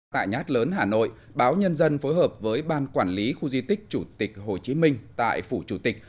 tại nhát lớn hà nội báo nhân dân phối hợp với ban quản lý khu di tích chủ tịch hồ chí minh tại phủ chủ tịch